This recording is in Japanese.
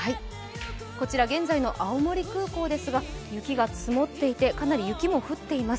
こちら現在の青森空港ですが雪が積もっていて、かなり雪も降っています。